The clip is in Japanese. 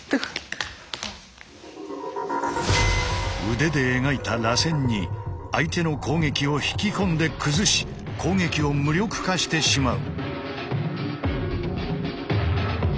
腕で描いた螺旋に相手の攻撃を引き込んで崩し攻撃を無力化してしまう。